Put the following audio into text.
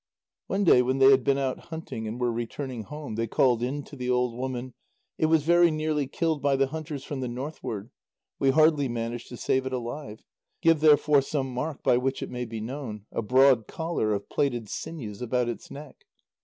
One day when they had been out hunting and were returning home, they called in to the old woman: "It was very nearly killed by the hunters from the northward; we hardly managed to save it alive. Give therefore some mark by which it may be known; a broad collar of plaited sinews about its neck."